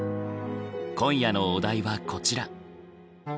今夜のお題はこちら。